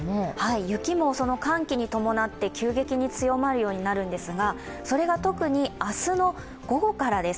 雪も寒気に伴って急激に強まるようになってくるんですがそれが特に明日の午後からです